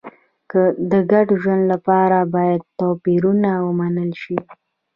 د ګډ ژوند لپاره باید توپیرونه ومنل شي.